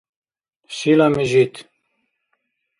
Шила мижит